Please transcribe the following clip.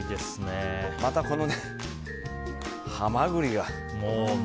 また、このハマグリが。